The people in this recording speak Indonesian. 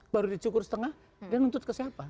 baru dicukur setengah dia nuntut ke siapa